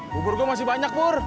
bubur gue masih banyak pur